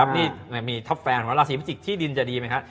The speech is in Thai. นี่มีท็อปแฟนว่าราศีพิจิกษ์ที่ดินจะดีไหมครับ